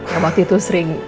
yang waktu itu sering